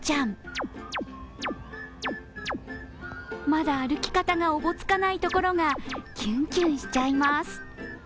まだ歩き方がおぼつかないところが、キュンキュンしちゃいます。